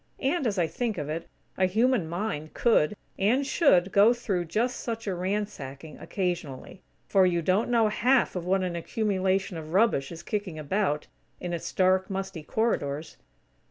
And, as I think of it, a human mind could, and should go through just such a ransacking, occasionally; for you don't know half of what an accumulation of rubbish is kicking about, in its dark, musty corridors.